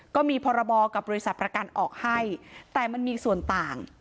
ก็มีพรบกับบริษัทประกันออกให้แต่มันมีส่วนต่าง